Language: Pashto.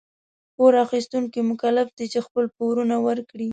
پور اخيستونکي مکلف دي چي خپل پورونه ورکړي.